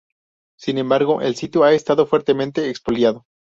Sin embargo, el sitio ha estado fuertemente expoliado.